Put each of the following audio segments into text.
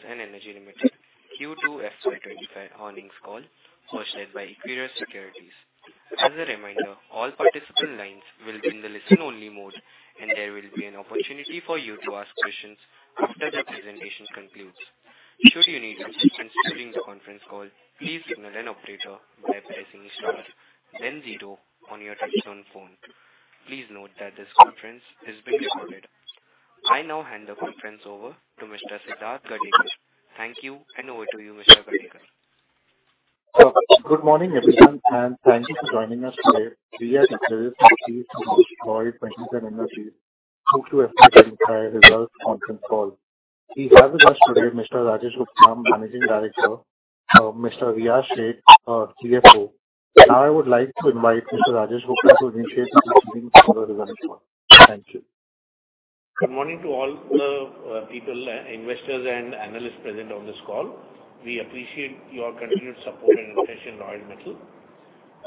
Ladies and gentlemen, good day, and welcome to Lloyd Metals and Energy Limited Q2 FY25 earnings call, hosted by Equirus Securities. As a reminder, all participant lines will be in the listen-only mode, and there will be an opportunity for you to ask questions after the presentation concludes. Should you need assistance during the conference call, please signal an operator by pressing star, then zero on your touchtone phone. Please note that this conference is being recorded. I now hand the conference over to Mr. Siddharth Gadekar. Thank you, and over to you, Mr. Gadekar. Good morning, everyone, and thank you for joining us today. We are excited to see Lloyd Metals and Energy Q2 FY 2025 results conference call. We have with us today Mr. Rajesh Gupta, Managing Director, Mr. Riyaz Shaikh, our CFO. Now, I would like to invite Mr. Rajesh Gupta to initiate the proceedings for our results call. Thank you. Good morning to all the people, investors, and analysts present on this call. We appreciate your continued support and interest in Lloyd Metals,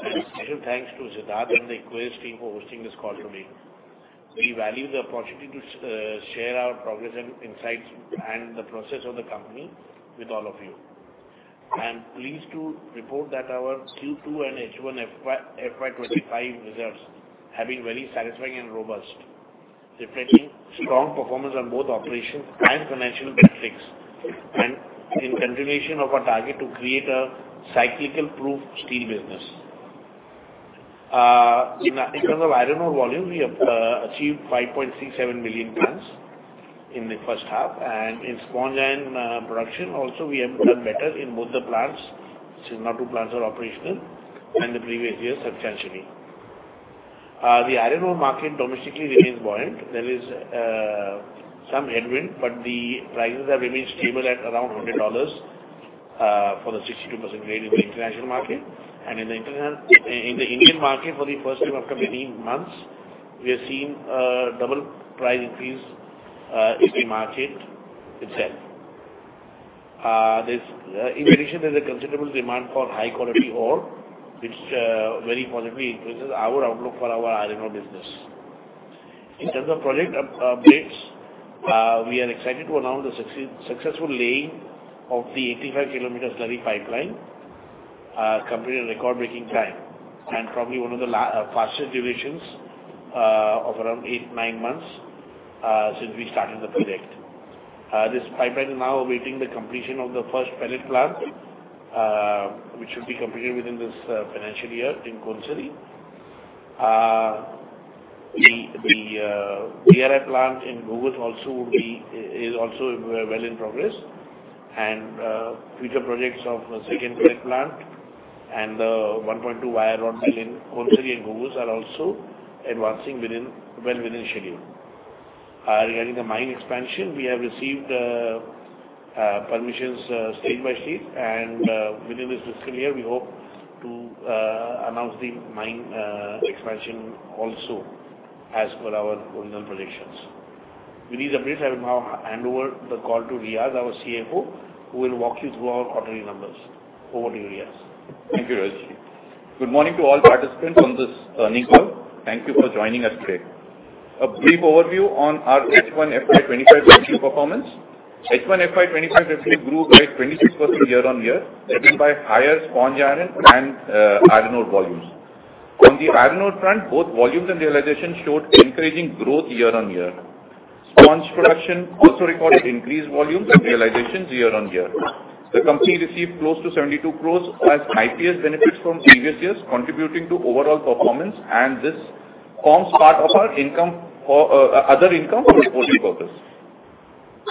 and special thanks to Siddharth and the Equirus team for hosting this call today. We value the opportunity to share our progress and insights and the process of the company with all of you. I'm pleased to report that our Q2 and H1 FY25 results have been very satisfying and robust, reflecting strong performance on both operations and financial metrics, and in continuation of our target to create a cyclical proof steel business. In terms of iron ore volume, we have achieved 5.67 million tons in the first half, and in sponge iron production, also we have done better in both the plants, since now two plants are operational, than the previous year substantially. The iron ore market domestically remains buoyant. There is some headwind, but the prices have remained stable at around $100 for the 62% grade in the international market. In the Indian market, for the first time after many months, we are seeing double price increase in the market itself. In addition, there's a considerable demand for high quality ore, which very positively influences our outlook for our iron ore business. In terms of project updates, we are excited to announce the successful laying of the 85 km slurry pipeline, completed in record-breaking time, and probably one of the faster durations of around 8-9 months since we started the project. This pipeline is now awaiting the completion of the first pellet plant, which should be completed within this financial year in Konsari. The DRI plant in Ghugus also is well in progress, and future projects of a second pellet plant and the 1.2 wire rod mill in Konsari and Ghugus are also advancing within, well within schedule. Regarding the mine expansion, we have received permissions state by state, and within this fiscal year, we hope to announce the mine expansion also as per our original projections. With these updates, I will now hand over the call to Riyaz, our CFO, who will walk you through our quarterly numbers. Over to you, Riyaz. Thank you, Rajesh. Good morning to all participants on this earnings call. Thank you for joining us today. A brief overview on our H1 FY25 performance. H1 FY25 revenue grew by 26% year-on-year, driven by higher sponge iron and iron ore volumes. On the iron ore front, both volumes and realization showed encouraging growth year-on-year. Sponge production also recorded increased volumes and realizations year-on-year. The company received close to 72 crores as IPS benefits from previous years, contributing to overall performance, and this forms part of our income, or other income for reporting purpose.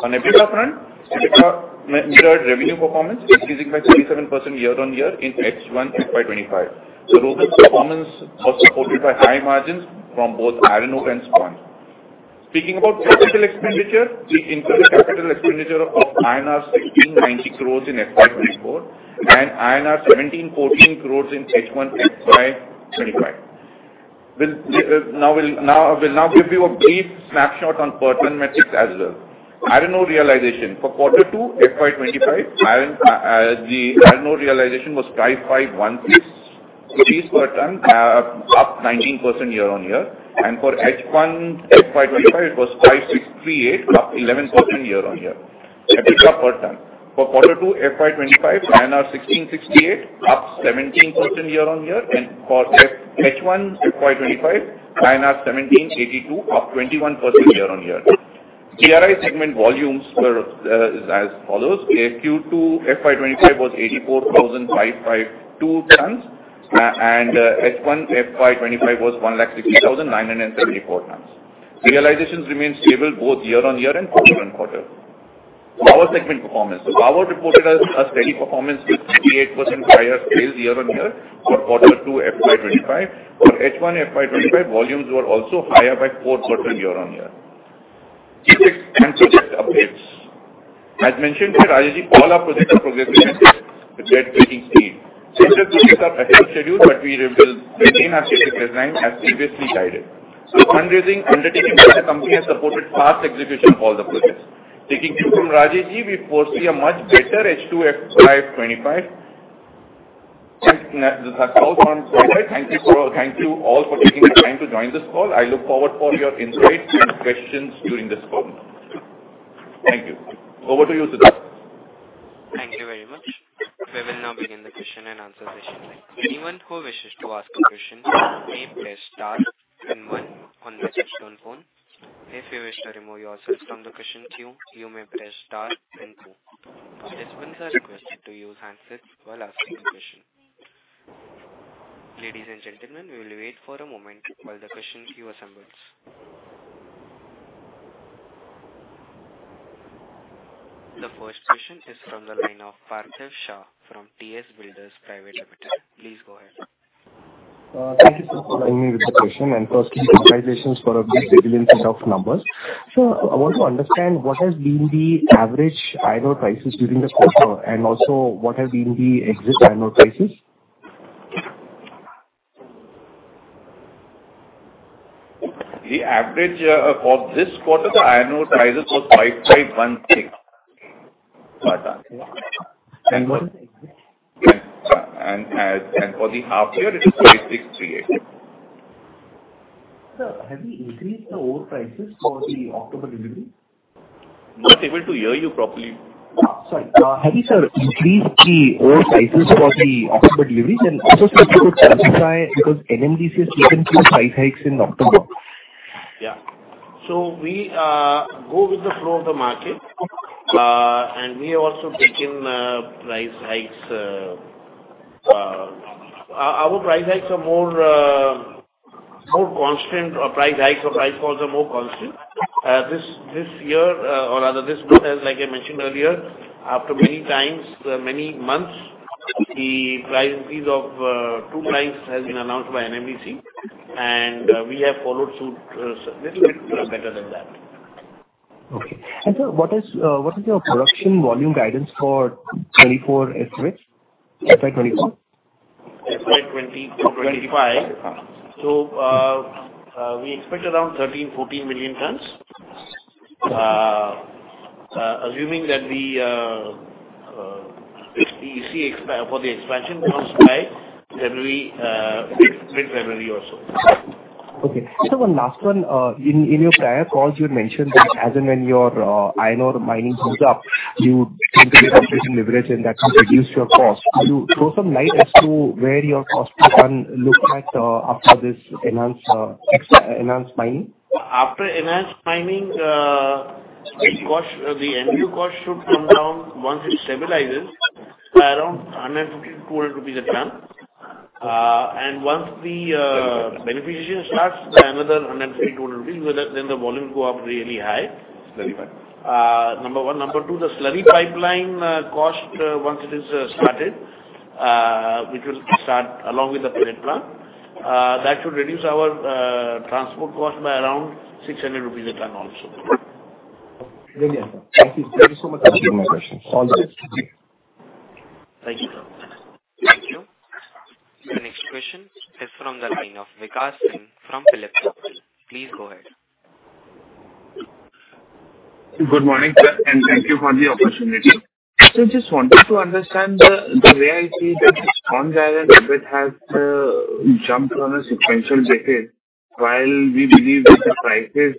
On EBITDA front, EBITDA improved revenue performance, increasing by 37% year-on-year in H1 FY25. So robust performance was supported by high margins from both iron ore and sponge. Speaking about capital expenditure, we incurred a capital expenditure of INR 1,690 crores in FY 2024 and INR 1,714 crores in H1 FY 2025. We'll now. I will now give you a brief snapshot on per ton metrics as well. Iron ore realization. For quarter 2, FY 2025, the iron ore realization was 5,516 rupees per ton, up 19% year-on-year. And for H1 FY 2025, it was 5,638, up 11% year-on-year. EBITDA per ton. For quarter 2 FY 2025, INR 1,668, up 17% year-on-year. And for H1 FY 2025, INR 1,782, up 21% year-on-year. DRI segment volumes were as follows: Q2, FY 2025 was 84,552 tons, and H1 FY 2025 was 160,974 tons. Realizations remain stable both year-on-year and quarter-on-quarter. Power segment performance. Power reported a steady performance with 28% higher sales year-on-year for quarter two FY 2025. For H1 FY 2025, volumes were also higher by 4% year-on-year. CapEx and project updates. As mentioned by Rajesh, all our projects are progressing at a great, great speed. Certain projects are ahead of schedule, but we will maintain our CapEx design as previously guided. Fundraising undertaking by the company has supported fast execution of all the projects. Taking cue from Rajesh, we foresee a much better H2 FY 2025. Thank you all for taking the time to join this call. I look forward for your insights and questions during this call. Thank you. Over to you, Siddharth. Thank you very much. We will now begin the question and answer session. Anyone who wishes to ask a question, may press star then one on your telephone. If you wish to remove yourselves from the question queue, you may press star then two. Participants are requested to use handsets while asking the question. Ladies and gentlemen, we will wait for a moment while the question queue assembles. The first question is from the line of Parthiv Shah from TS Builders Private Limited. Please go ahead. Thank you, sir, for letting me with the question. And firstly, congratulations for a brilliant set of numbers. Sir, I want to understand what has been the average iron ore prices during the quarter, and also what has been the existing iron ore prices? The average, for this quarter, the iron ore prices was 5.16. Got that, and what is the next? For the half year, it is 5,638. Sir, have you increased the ore prices for the October delivery? Not able to hear you properly. Sorry. Have you, sir, increased the ore prices for the October deliveries? And also, if you could justify, because NMDC has taken two price hikes in October. Yeah. So we go with the flow of the market, and we have also taken price hikes. Our price hikes are more constant, our price hikes or price falls are more constant. This year, or rather this quarter, like I mentioned earlier, after many times, many months, the price increase of two price has been announced by NMDC, and we have followed suit, little bit better than that. Okay. Sir, what is your production volume guidance for twenty-four estimates, FY24? FY 2024-25. So, we expect around 13, 14 million tons. Assuming that, if the EC for the expansion comes by February, mid-February or so. Okay. Sir, one last one. In your prior calls, you had mentioned that as and when your iron ore mining goes up, you tend to get complete leverage and that will reduce your cost. Could you throw some light as to where your costs can look at after this enhanced, extra enhanced mining? After enhanced mining, the cost, the MDO cost should come down once it stabilizes by around 100-200 rupees a ton. And once the beneficiation starts, by another 100-200 rupees, whether then the volume go up really high. Very fine. Number one. Number two, the slurry pipeline cost, once it is started, which will start along with the pellet plant, that should reduce our transport cost by around 600 rupees a ton also. Brilliant. Thank you. Thank you so much for answering my questions. All the best. Thank you. Thank you. The next question is from the line of Vikas Singh from PhillipCapital. Please go ahead. Good morning, sir, and thank you for the opportunity. So just wanted to understand the way I see that the strong iron ore bit has jumped on a sequential basis, while we believe that the prices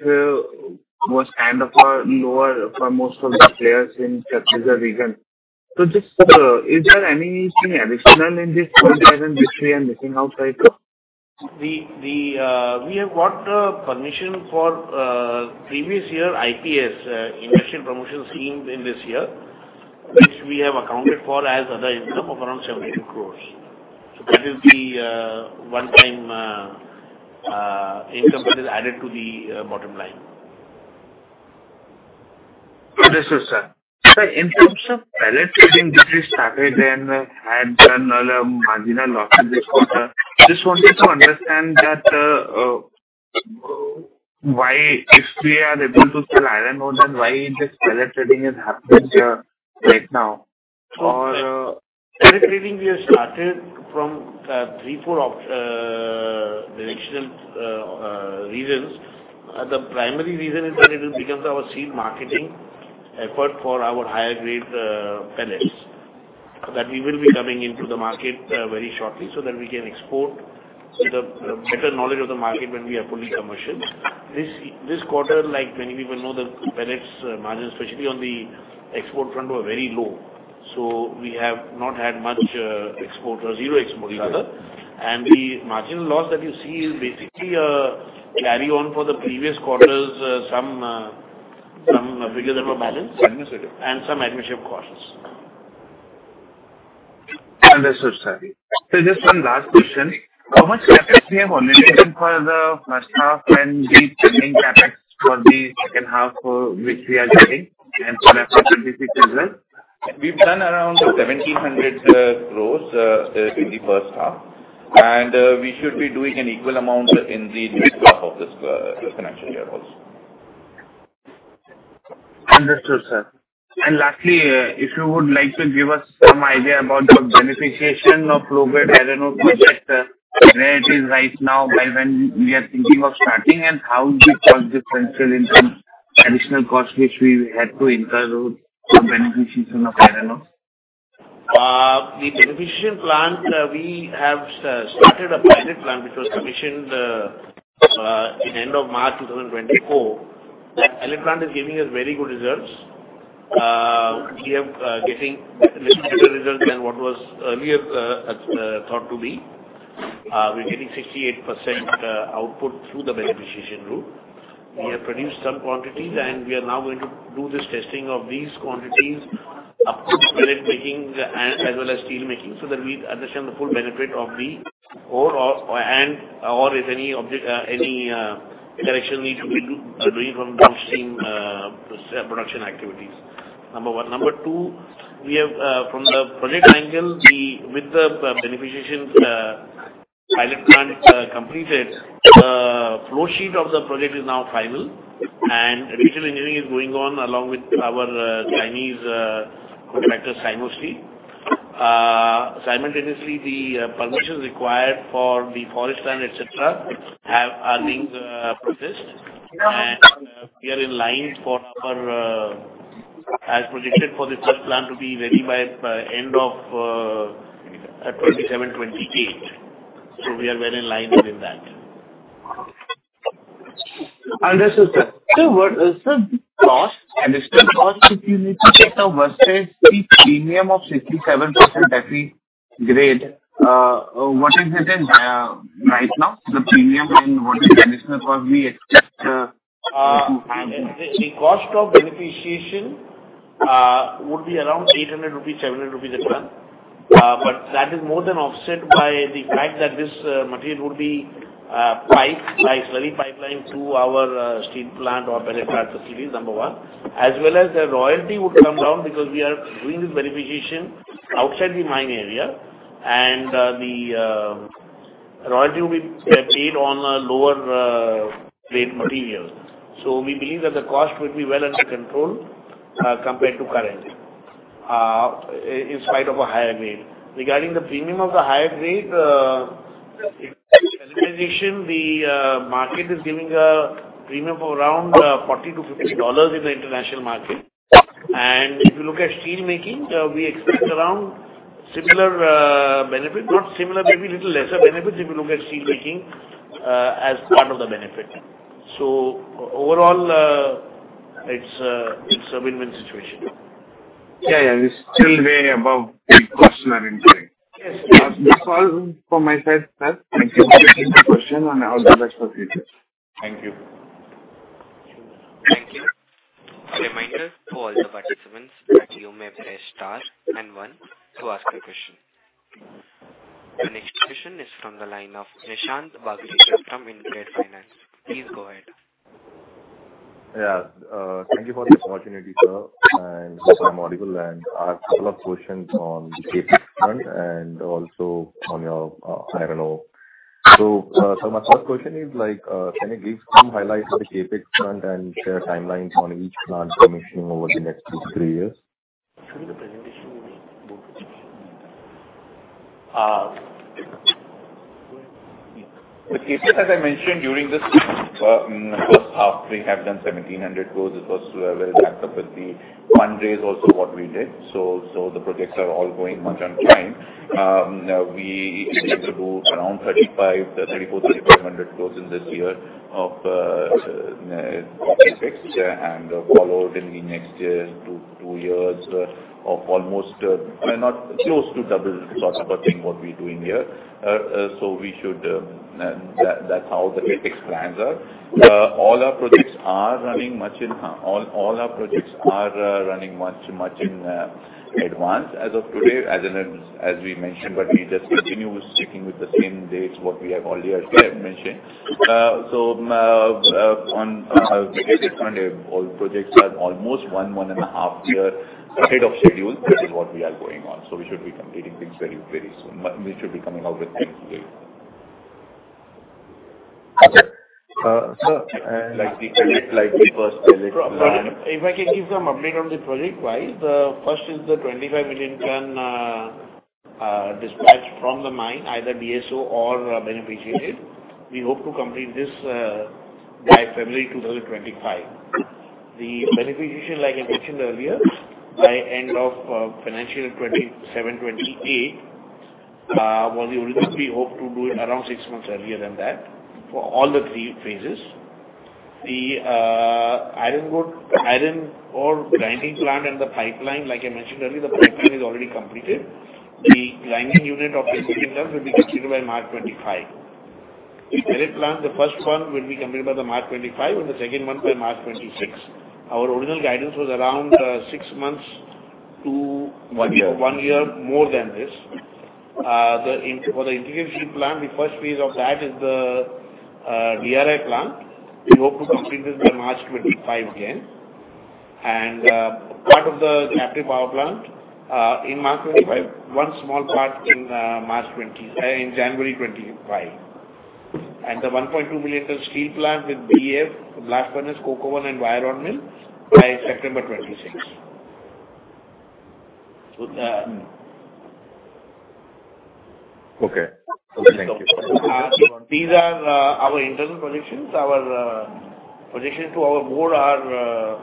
was kind of lower for most of the players in Chhattisgarh region. So just is there anything additional in this 27 history I'm missing out right now? We have got permission for previous year IPS, Investment Promotion Scheme, in this year, which we have accounted for as other income of around 72 crores. So that is the one-time income that is added to the bottom line. Understood, sir. Sir, in terms of pellet trading, this started and had done all the marginal losses this quarter. Just wanted to understand that, why, if we are able to sell iron ore, then why this pellet trading is happening here right now? Or, Pellet trading, we have started from three or four operational reasons. The primary reason is that it becomes our seed marketing effort for our higher grade pellets that we will be coming into the market very shortly, so that we can have the better knowledge of the market when we are fully commercial. This quarter, like many people know, the pellets margins, especially on the export front, were very low, so we have not had much export or rather zero export. And the marginal loss that you see is basically a carryover from the previous quarters, some bigger than our balance administrative and selling costs. Understood, sir. So just one last question. How much CapEx we have allocated for the first half and the remaining CapEx for the second half, which we are getting, and for after 2026 as well? We've done around 1,700 crores in the first half, and we should be doing an equal amount in the second half of this financial year also. Understood, sir. And lastly, if you would like to give us some idea about the beneficiation of low-grade iron ore project, where it is right now, by when we are thinking of starting and how we capture the incremental income... additional cost which we had to incur with the beneficiation of iron ore? The beneficiation plant, we have started a pilot plant which was commissioned in end of March 2024. That pilot plant is giving us very good results. We are getting little better results than what was earlier thought to be. We're getting 68% output through the beneficiation route. We have produced some quantities, and we are now going to do this testing of these quantities of pellet making as well as steelmaking, so that we understand the full benefit of the ore, and/or if any objection, any correction needs to be done from downstream, the production activities, number one. Number two, we have from the project angle, the... With the beneficiation pilot plant completed, the flow sheet of the project is now final, and detailed engineering is going on along with our Chinese contractor simultaneously. Simultaneously, the permissions required for the forest land, et cetera, are being processed. We are in line, as predicted, for the first plant to be ready by end of 2027-2028. We are well in line within that. Understood, sir. So what is the cost, additional cost if you need to take versus the premium of 67% Fe grade, what is it in, right now, the premium and what is additional cost we expect, to pay? The cost of beneficiation would be around 800 rupees, 700 rupees extra, but that is more than offset by the fact that this material would be piped by slurry pipeline to our steel plant or pellet plant facilities, number one, as well as the royalty would come down because we are doing this beneficiation outside the mine area, and the royalty will be paid on a lower grade material, so we believe that the cost would be well under control, compared to currently, in spite of a higher grade. Regarding the premium of the higher grade, the market is giving a premium of around $40-$50 in the international market. And if you look at steelmaking, we expect around similar benefit, not similar, maybe little lesser benefits if you look at steelmaking as part of the benefit. So overall, it's a, it's a win-win situation. Yeah, yeah, it's still way above the cost we are enjoying. Yes. That's all from my side, sir. Thank you for the question, and I'll do best for future. Thank you. Thank you. A reminder to all the participants that you may press star and one to ask a question. The next question is from the line of Nishant Bagre from InCred Capital. Please go ahead. Yeah, thank you for the opportunity, sir, and this is audible, and I have a couple of questions on the CapEx front and also on your, iron ore. So, so my first question is, like, can you give some highlights on the CapEx front and share timelines on each plant commissioning over the next two, three years? The CapEx, as I mentioned during this first half, we have done seventeen hundred crores. It was very backed up with the fundraise also what we did. So the projects are all going much on time. We expect to do around thirty-five, thirty-four, thirty-five hundred crores in this year of CapEx year, and followed in the next year to two years of almost, I mean, not close to double the cost per thing, what we're doing here. So we should, that, that's how the CapEx plans are. All our projects are running much in advance as of today, as we mentioned, but we just continue sticking with the same dates what we have earlier mentioned. All projects are almost one and a half years ahead of schedule than what we are going on, so we should be completing things very, very soon. But we should be coming out with things very soon. Sir, and like the first collect- If I can give some update on the project-wise, first is the 25 million ton dispatched from the mine, either DSO or beneficiated. We hope to complete this by February twenty twenty-five. The beneficiation, like I mentioned earlier, by end of financial twenty-seven, twenty-eight, what we originally hope to do it around six months earlier than that for all the three phases. The iron ore grinding plant and the pipeline, like I mentioned earlier, the pipeline is already completed. The grinding unit of the will be completed by March twenty-five. The pellet plant, the first one will be completed by the March twenty-five, and the second one by March twenty-six. Our original guidance was around six months to- One year. One year, more than this. For the integrated steel plant, the first phase of that is the DRI plant. We hope to complete this by March 2025 again. And part of the captive power plant in March 2025, one small part in January 2025. And the 1.2 million ton steel plant with BF, blast furnace, coke oven, and wire rod mill by September 2026. So, Okay. Okay, thank you. These are our internal projections. Our projection to our board are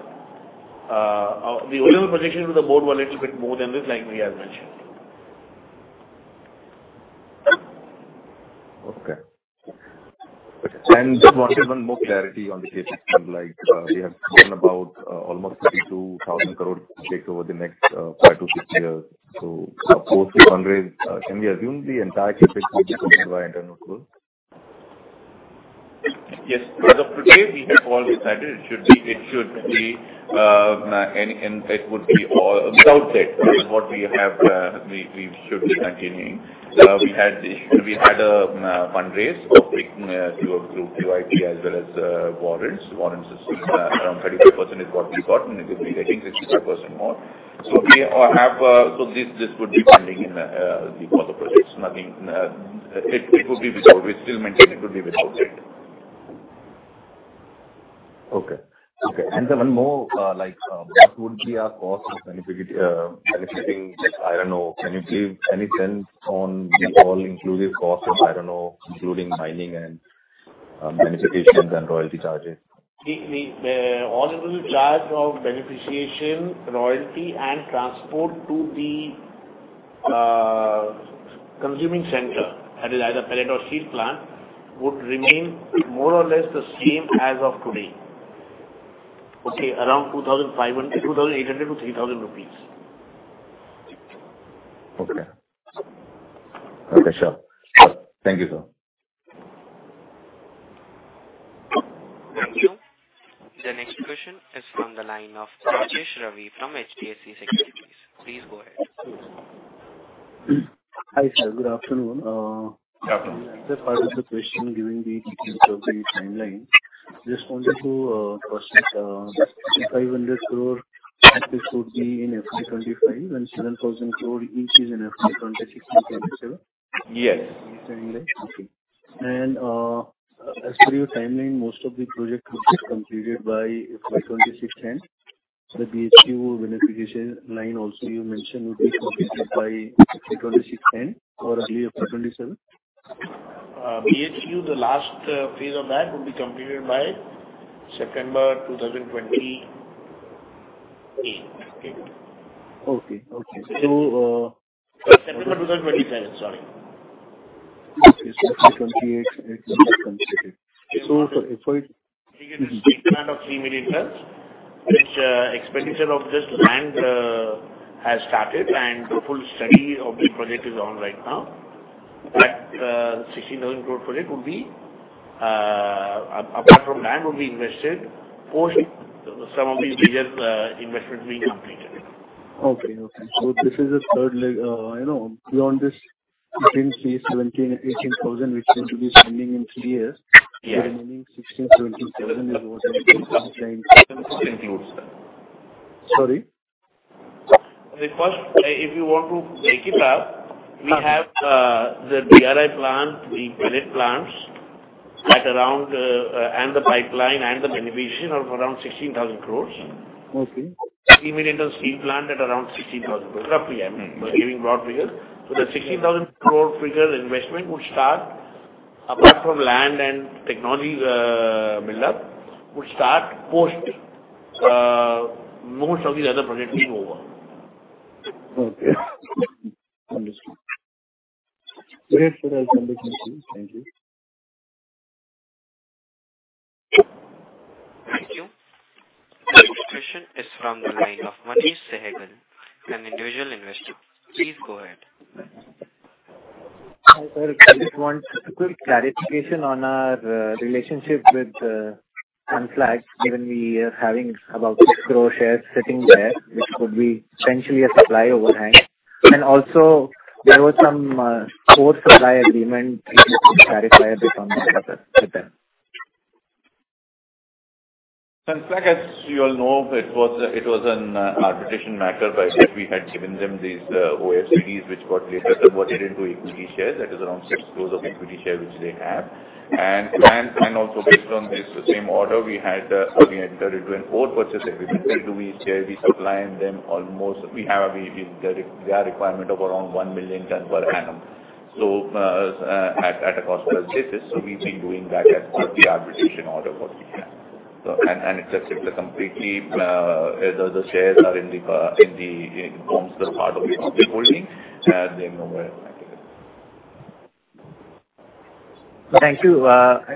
the only projection to the board were a little bit more than this, like we have mentioned. Okay. And just wanted one more clarity on the CapEx. Like, we have spoken about almost 32,000 crore CapEx over the next five to six years. So 4,300, can we assume the entire CapEx will be covered by internal accruals? Yes. As of today, we have all decided it should be, and it would be all without it, is what we have. We should be continuing. We had a fundraise of pre through QIP as well as warrants. Warrants is around 35% is what we got, and it will be I think 65% more. So we have, so this would be funding in the for the projects. Nothing, it would be with. We still maintain it would be without it. Okay. Okay. And then one more, like, what would be our cost of beneficiation, I don't know. Can you give any sense on the all-inclusive cost of, I don't know, including mining and beneficiation and royalty charges? The all inclusive charge of beneficiation, royalty, and transport to the consuming center, that is either pellet or steel plant, would remain more or less the same as of today. Okay, around 2,500, 2,800 to 3,000 rupees. Okay. Okay, sure. Thank you, sir. Thank you. The next question is from the line of Rajesh Ravi from HDFC Securities. Please go ahead. Hi, sir. Good afternoon. Good afternoon. As part of the question, giving the timeline, just wanted to first, the 500 crore, this would be in FY 2025 and 7,000 crore each is in FY 2026 and 2027? Yes. Okay, and as per your timeline, most of the projects will be completed by FY 2026 end, so the BHU beneficiation line also you mentioned would be completed by FY 2026 end or early FY 2027. The last phase of that will be completed by September 2028. Okay, okay. So September two thousand twenty-seven, sorry. Okay, so FY twenty-eight, it will be completed. So for FY- We get a statement of three million tons, which expenditure of this land has started, and the full study of the project is on right now. That 16,000 crore project would be apart from land will be invested post some of these biggest investments being completed. Okay, okay. So this is the third leg, you know, beyond this between the 17 and 18 thousand, which is going to be spending in three years. Yes. The remaining 16, 27 is what includes that. Sorry? The first, if you want to break it up, we have the DRI plant, the pellet plants at around, and the pipeline and the beneficiation of around 16,000 crores. Okay. 3 million-ton steel plant at around 16,000 crores, roughly. I'm giving broad figures. So the 16,000 crore figure investment would start, apart from land and technology, build up, would start post most of the other projects being over. Okay. Understood. Great, sir. I understand. Thank you. Thank you. The next question is from the line of Manish Sehgal, an individual investor. Please go ahead. Hi, sir. I just want a quick clarification on our relationship with Sunflag, given we are having about six crore shares sitting there, which could be potentially a supply overhang. And also there was some core supply agreement. Clarify a bit on that as well. Sunflag, as you all know, it was an arbitration matter, but yet we had given them these OFCDs, which got later converted into equity shares. That is around six crores of equity shares, which they have. And also based on this same order, we entered into an offtake agreement, where we share the supply with them almost. We have their requirement of around one million tons per annum. So, at a cost plus basis, so we've been doing that as part of the arbitration order for them. So, and it's just simply completely, the shares are in the non-cumulative part of the holding, and they're nowhere else. Thank you.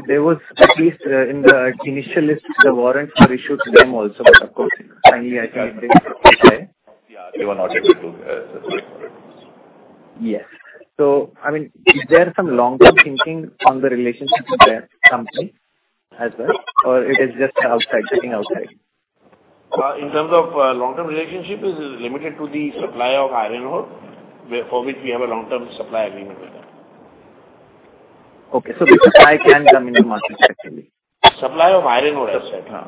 There was at least, in the initial list, the warrant for issue to them also, but of course, finally, I think it is okay. Yeah, they were not able to support for it. Yes. So, I mean, is there some long-term thinking on the relationship with that company as well, or it is just outside, sitting outside? In terms of long-term relationship, it is limited to the supply of iron ore, where for which we have a long-term supply agreement with them. Okay, so the supply can come into market, actually? Supply of iron ore, I said, huh.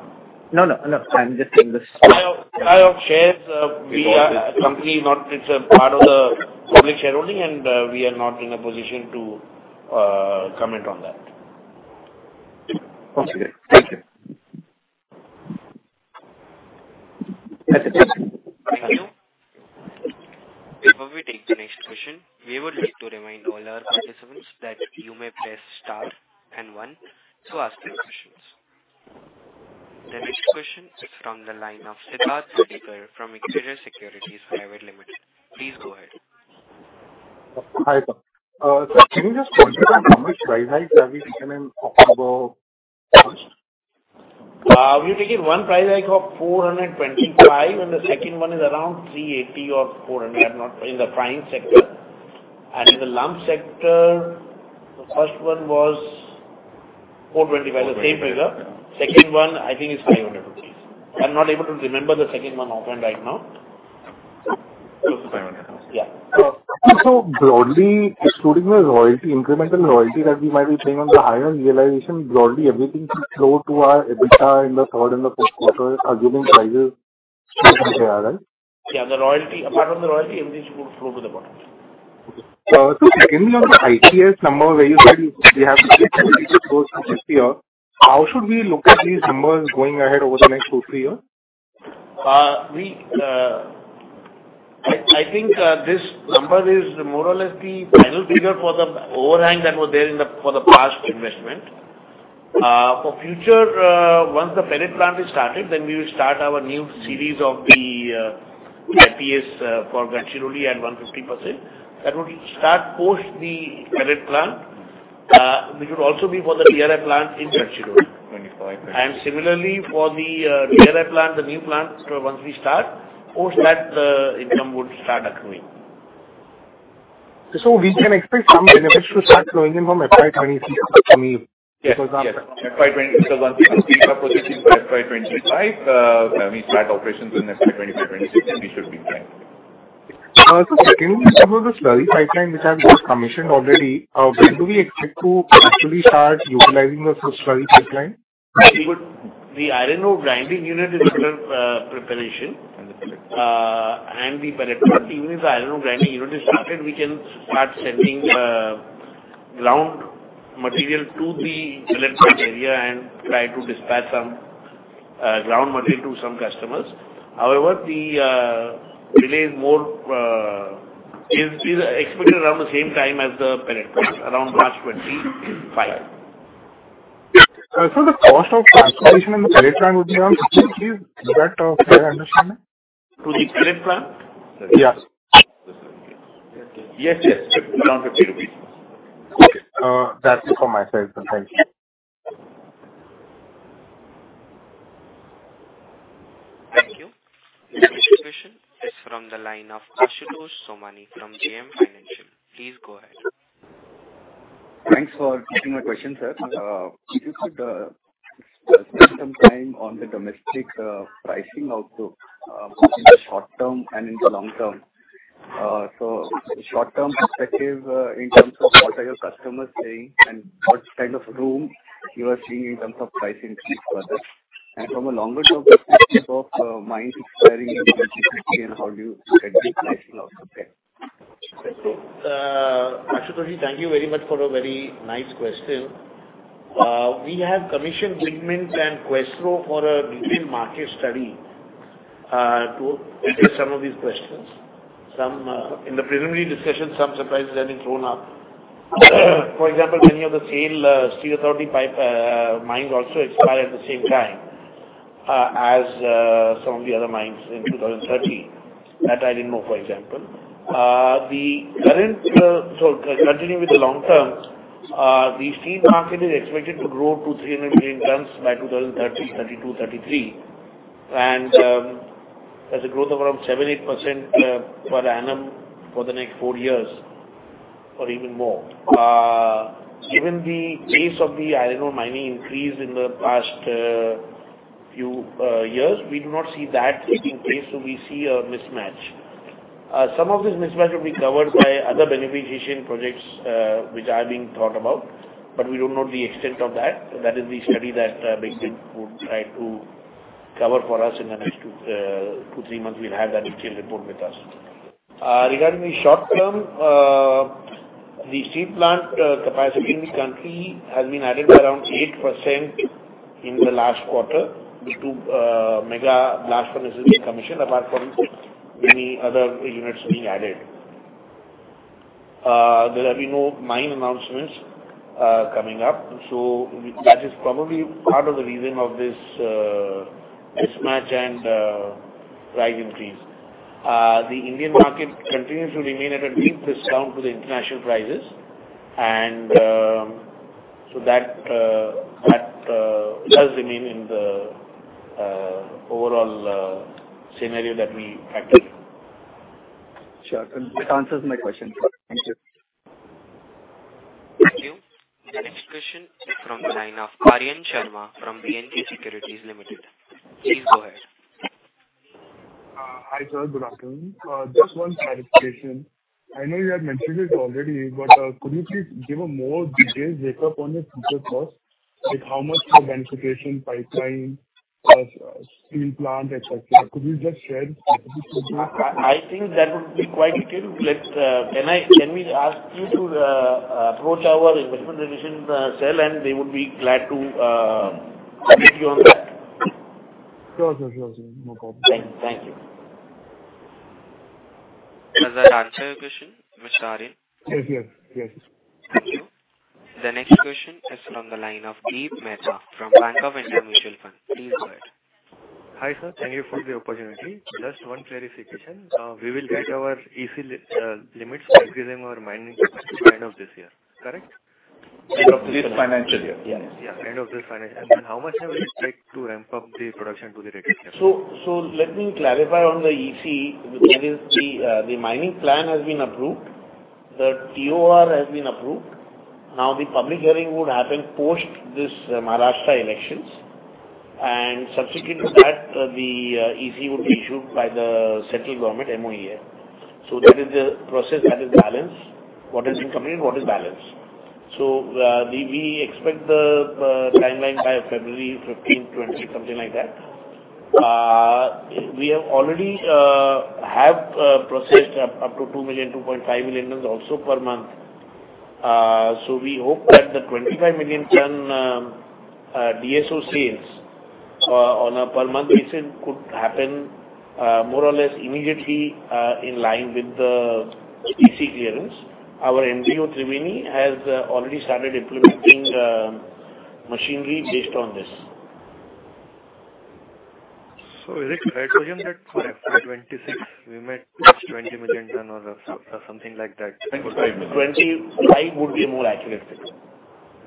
No, no, no, I'm just in this- Supply of shares, we are a company, no, it's a part of the public shareholding, and we are not in a position to comment on that. Okay. Thank you. Thank you. Before we take the next question, we would like to remind all our participants that you may press star and one to ask your questions. The next question is from the line of Siddharth Sudhakar from InCred Capital. Please go ahead. Hi, sir. Sir, can you just tell me how much price hike have we seen in October? We are taking one price hike of 425, and the second one is around 380 or 400, I'm not, in the fines sector. And in the lump sector, the first one was 425, the same figure. Second one, I think it's 500 rupees. I'm not able to remember the second one offhand right now. Close to 500. Yeah. So broadly, excluding the royalty, incremental royalty, that we might be paying on the higher realization, broadly, everything should flow to our EBITDA in the third and the fourth quarter, assuming prices are right? Yeah, the royalty, apart from the royalty, everything should flow to the bottom. So secondly, on the IPS number, where you said we have to sixty or how should we look at these numbers going ahead over the next two, three years? I think this number is more or less the final figure for the overhang that was there for the past investment. For future, once the pellet plant is started, then we will start our new series of the IPS for Gadchiroli at 150%. That would start post the pellet plant, which would also be for the DRI plant in Gadchiroli. Twenty-five. Similarly, for the DRI plant, the new plant, once we start, post that, the income would start accruing. So we can expect some benefits to start flowing in from FY 2023 for me? Yes, yes. So once we complete our positioning for FY25, we start operations in FY25, twenty-six. We should be fine. So secondly, about the slurry pipeline, which I've just commissioned already, when do we expect to actually start utilizing the slurry pipeline? The iron ore grinding unit is under preparation, and the pellet plant, even if the iron ore grinding unit is started, we can start sending ground material to the pellet plant area and try to dispatch some ground material to some customers. However, the delay is more expected around the same time as the pellet plant, around last twenty-five. So the cost of transportation in the pellet plant would be around fifty. Is that a fair understanding? To the pellet plant? Yeah. Yes, yes. Around INR 50. Okay. That's it for myself, sir. Thank you. Thank you. The next question is from the line of Ashutosh Somani from JM Financial. Please go ahead. Thanks for taking my question, sir. If you could spend some time on the domestic pricing also, both in the short term and in the long term. So short-term perspective, in terms of what are your customers saying and what kind of room you are seeing in terms of pricing for this? And from a longer-term perspective of mines expiring in and how do you set the pricing out there? Ashutosh, thank you very much for a very nice question. We have commissioned BigMint and Questro for a detailed market study, to answer some of these questions. Some, in the preliminary discussion, some surprises have been thrown up. For example, many of the SAIL, Steel Authority of India Limited, mines also expire at the same time, as, some of the other mines in 2030. That I didn't know, for example. So continuing with the long term, the steel market is expected to grow to 300 million tons by 2030, 2032, 2033, and, there's a growth of around 7-8%, per annum for the next four years or even more. Given the pace of the iron ore mining increase in the past few years, we do not see that taking place, so we see a mismatch. Some of this mismatch will be covered by other beneficiation projects which are being thought about, but we don't know the extent of that. That is the study that BigMint would try to cover for us in the next two, three months, we'll have that detailed report with us. Regarding the short term, the steel plant capacity in the country has been added by around 8% in the last quarter due to mega blast furnaces being commissioned, apart from many other units being added. There have been no mine announcements coming up, so that is probably part of the reason of this mismatch and price increase. The Indian market continues to remain at a big discount to the international prices, and so that does remain in the overall scenario that we factor in. Sure. That answers my question. Thank you. Thank you. The next question is from the line of Aryan Sharma from B&K Securities Limited. Please go ahead. Hi, sir. Good afternoon. Just one clarification. I know you had mentioned it already, but could you please give a more detailed breakup on your future costs? Like, how much for beneficiation, pipeline, steel plant, et cetera. Could you just share? I think that would be quite detailed. Can we ask you to approach our investment division cell, and they would be glad to update you on that. Sure, sure, sure, sure. No problem. Thank you. Thank you. Does that answer your question, Mr. Aryan? Yes, yes. Yes. Thank you. The next question is from the line of Deep Mehta from Bank of India Mutual Fund. Please go ahead. Hi, sir. Thank you for the opportunity. Just one clarification. We will get our EC limits for increasing our mining capacity end of this year, correct? End of this financial year, yes. Yeah, end of this financial. And how much have we expect to ramp up the production to the rated capacity? Let me clarify on the EC, which is the mining plan has been approved, the TOR has been approved. Now, the public hearing would happen post this Maharashtra elections, and subsequent to that, the EC would be issued by the central government, MoEF. That is the process that is balanced, what has been completed and what is balanced. We expect the timeline by February fifteen, 2020, something like that. We have already processed up to 2 million, 2.5 million tons also per month. So we hope that the 25 million ton DSO sales on a per month basis could happen more or less immediately in line with the EC clearance. Our MDO, Thriveni, has already started implementing machinery based on this. So is it right to assume that for FY 2026, we might reach 20 million tons or so, or something like that? Twenty-five million. 25 would be a more accurate figure.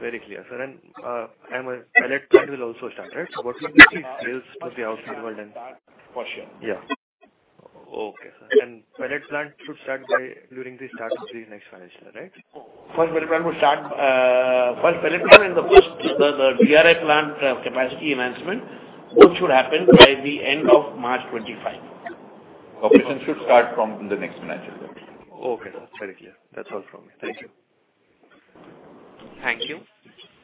Very clear, sir. And the pellet plant will also start, right? So what will be the sales to the outside world then? For sure. Yeah. Okay, sir, and pellet plant should start by, during the start of the next financial year, right? First pellet plant will start, first pellet plant and the first DRI plant capacity enhancement, both should happen by the end of March 2025. Operation should start from the next financial year. Okay, sir. Very clear. That's all from me. Thank you. Thank you.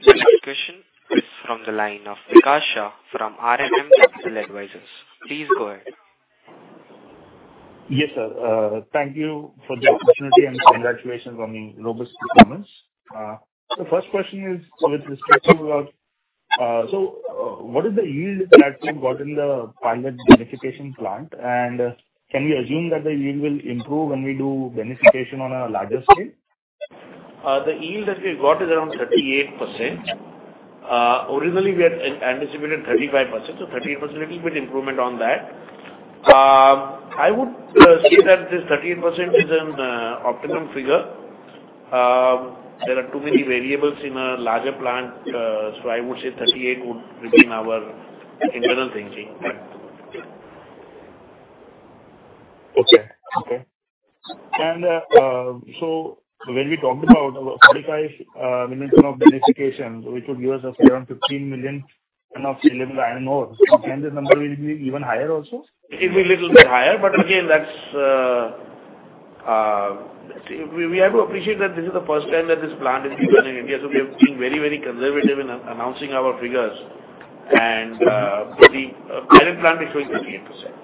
The next question is from the line of Vikas Shah from RNM Capital Advisors. Please go ahead. Yes, sir. Thank you for the opportunity, and congratulations on the robust performance. The first question is with respect to, so, what is the yield that you got in the pilot beneficiation plant? And can we assume that the yield will improve when we do beneficiation on a larger scale? The yield that we got is around 38%. Originally, we had anticipated 35%, so 38%, little bit improvement on that. I would say that this 38% is an optimum figure. There are too many variables in a larger plant, so I would say 38% would be in our internal thinking. Okay. So when we talked about 45 million tons of beneficiation, which would give us around 15 million tons of sellable iron ore, and this number will be even higher also? It will be little bit higher, but again, that's. We have to appreciate that this is the first time that this plant is being run in India, so we are being very, very conservative in announcing our figures, and the pellet plant is showing 38%.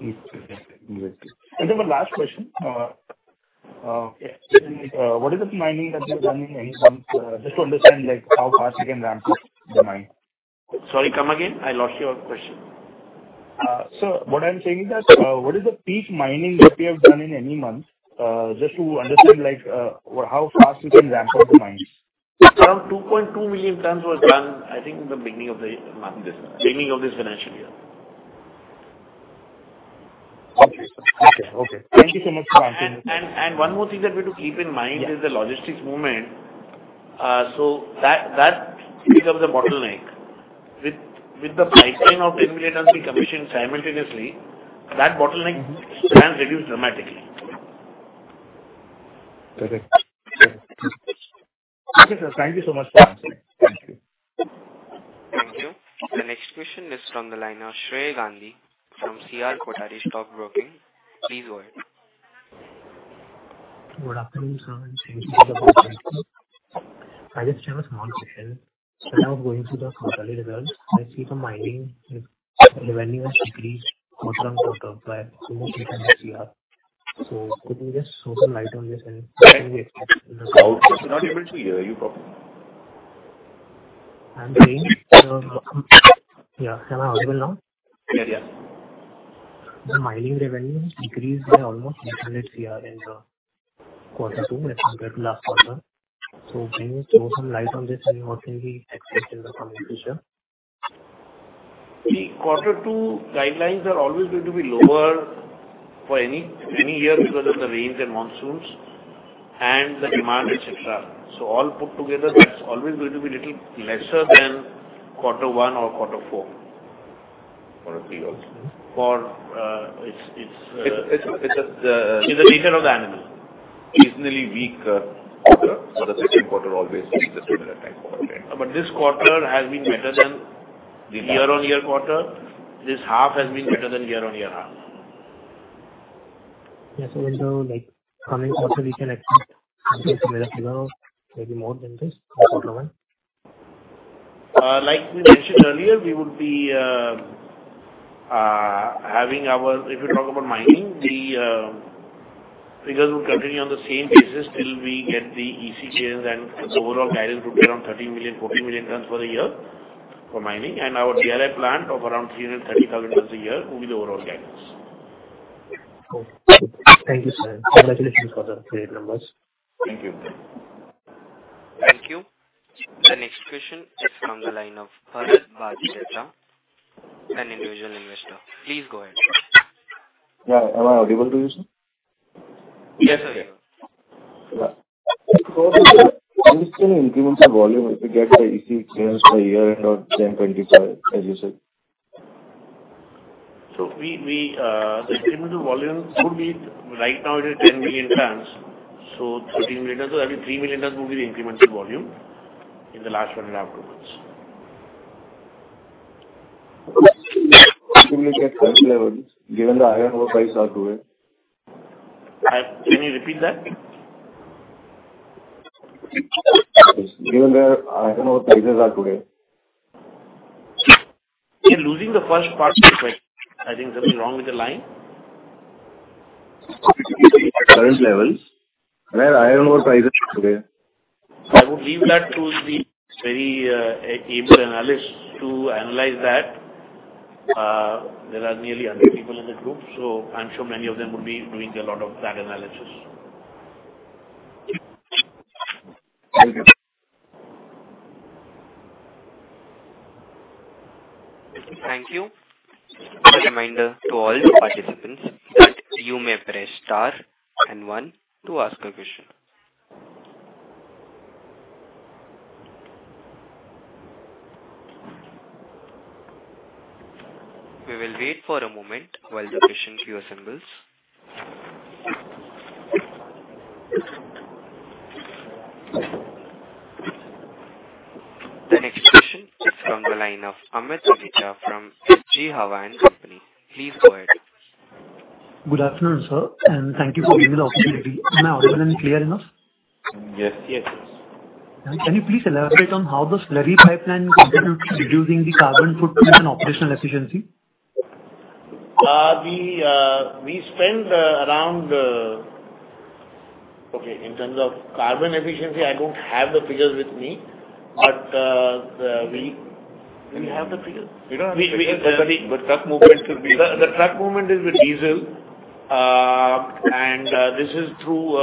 Okay. Then the last question, yeah. What is the mining that you've done in any month? Just to understand, like, how fast you can ramp up the mine. Sorry, come again? I lost your question. So what I'm saying is that what is the peak mining that you have done in any month? Just to understand, like, how fast you can ramp up the mine. Around 2.2 million tons was done, I think, in the beginning of this financial year. Okay. Okay, okay. Thank you so much for answering. One more thing that we have to keep in mind- Yeah. is the logistics movement. So that, that becomes a bottleneck. With, with the pipeline of 10 million tons being commissioned simultaneously, that bottleneck can reduce dramatically. Perfect. Okay, sir, thank you so much for answering. Thank you. Thank you. The next question is from the line of Shrey Gandhi from C.R. Kothari & Sons. Please go ahead. Good afternoon, sir. Thank you for the opportunity. I just have a small question. When I was going through the quarter results, I see the mining revenue has decreased quarter on quarter by 2 million Cr. So could you just throw some light on this end? Sorry, we're not able to hear you properly. Yeah, am I audible now? Yeah, yeah. The mining revenue decreased by almost 200 CR in the quarter two as compared to last quarter. Can you throw some light on this and what can we expect in the coming future? The quarter two guidelines are always going to be lower for any year because of the rains and monsoons, and the demand, et cetera. So all put together, that's always going to be little lesser than quarter one or quarter four. Quarter three also. For, it's- It's It's the nature of the animal. Seasonally weak quarter. So the second quarter always is the weaker time for it, right? But this quarter has been better than the year-on-year quarter. This half has been better than year-on-year half. Yes, so in the, like, coming quarter, we can expect something similar to that or maybe more than this, quarter one? Like we mentioned earlier, we would be having our. If you talk about mining, figures will continue on the same basis till we get the EC changes, and the overall guidance would be around 13 million-14 million tons for the year for mining, and our DRI plant of around 330,000 tons a year will be the overall guidance. Okay. Thank you, sir. Congratulations for the great numbers. Thank you. Thank you. The next question is from the line of Farhad Bajeta, an individual investor. Please go ahead. Yeah. Am I audible to you, sir? Yes, sir. Yeah. What is the incremental volume as we get the EC clearance by year-end of June 2025, as you said? So we, the incremental volume could be. Right now it is 10 million tons, so 13 million, so that'll be 3 million tons will be the incremental volume in the last one and a half months. Given the iron ore prices are today. Can you repeat that? Given the iron ore prices are today. We're losing the first part, I think something wrong with the line. Current levels, and our iron ore prices today. I would leave that to the very, able analyst to analyze that. There are nearly a hundred people in the group, so I'm sure many of them would be doing a lot of that analysis. Thank you. Thank you. A reminder to all participants that you may press star and one to ask a question. We will wait for a moment while the question queue assembles. The next question is from the line of Amit Ojha from GEPL Capital. Please go ahead. Good afternoon, sir, and thank you for giving me the opportunity. Am I audible and clear enough? Yes. Yes. Can you please elaborate on how the slurry pipeline contributes to reducing the carbon footprint and operational efficiency? Okay. In terms of carbon efficiency, I don't have the figures with me, but we, do we have the figures? We don't have the figures, but the truck movement should be- The truck movement is with diesel, and this is through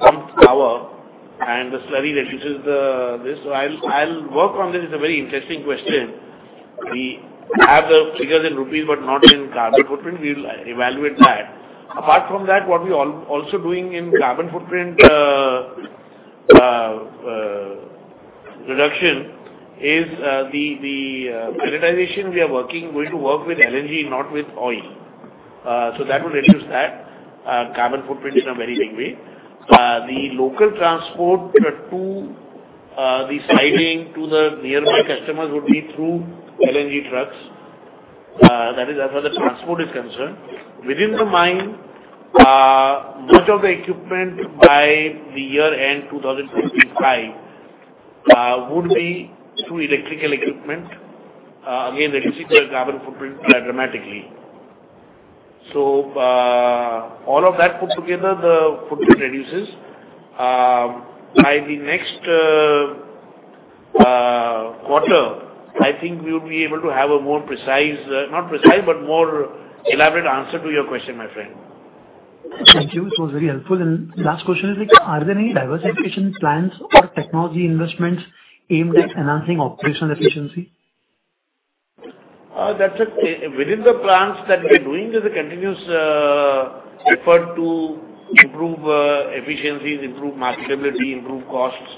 pumped power, and the slurry reduces this. I'll work on this. It's a very interesting question. We have the figures in rupees, but not in carbon footprint. We'll evaluate that. Apart from that, what we also doing in carbon footprint reduction is the minimization. We're going to work with LNG, not with oil. So that will reduce that carbon footprint in a very big way. The local transport to the supplying to the nearby customers would be through LNG trucks. That is, as far as the transport is concerned. Within the mine, much of the equipment by the year-end two thousand twenty-five would be through electrical equipment, again, reducing the carbon footprint dramatically. All of that put together, the footprint reduces. By the next quarter, I think we would be able to have a more precise, not precise, but more elaborate answer to your question, my friend. Thank you. It was very helpful. And last question is, are there any diversification plans or technology investments aimed at enhancing operational efficiency? Within the plans that we're doing, there's a continuous effort to improve efficiencies, improve profitability, improve costs,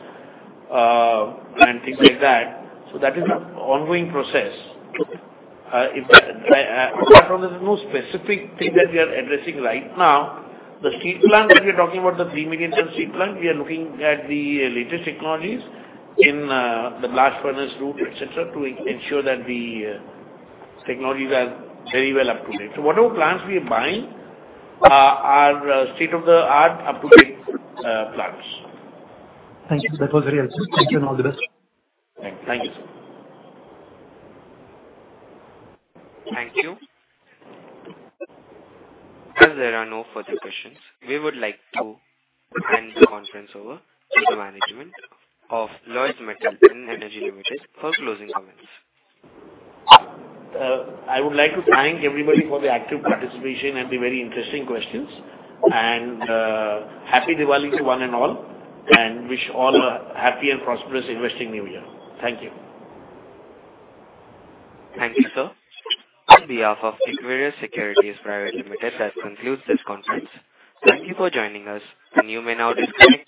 and things like that, so that is an ongoing process. If, apart from this, there's no specific thing that we are addressing right now. The steel plant, if you're talking about the three million ton steel plant, we are looking at the latest technologies in the blast furnace route, et cetera, to ensure that the technologies are very well up to date, so whatever plants we are buying are state-of-the-art, up-to-date plants. Thank you. That was very helpful. Thank you, and all the best. Thank you, sir. Thank you. As there are no further questions, we would like to end the conference. Over to the management of Lloyd Metals and Energy Limited for closing comments. I would like to thank everybody for the active participation and the very interesting questions. And, happy Diwali to one and all, and wish all a happy and prosperous investing New Year. Thank you. Thank you, sir. On behalf of Equirus Securities Private Limited, that concludes this conference. Thank you for joining us, and you may now disconnect your-